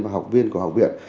và học viên của học viện